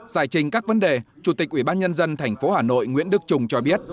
giải trình các vấn đề chủ tịch ủy ban nhân dân thành phố hà nội nguyễn đức trùng cho biết